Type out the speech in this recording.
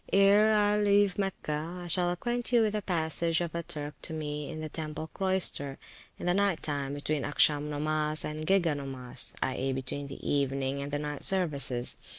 Ere I leave Mecca, I shall acquaint you with a passage of a Turk to me in the temple cloyster, in the night time, between Acsham nomas, and Gega nomas, i.e., between the evening and the night services.